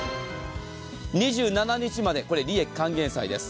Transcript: ２７日まで利益還元祭です。